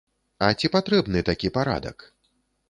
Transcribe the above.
А ці патрэбны такі парадак?